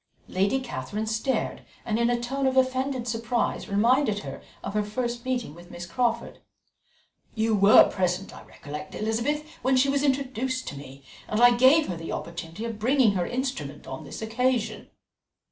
Lady Catherine stared, and in a tone of offended surprise reminded her of the first meeting with Miss Crawford. "You were present, I recollect, Elizabeth, when she was introduced to me, and I gave her the opportunity of bringing her instrument on this occasion."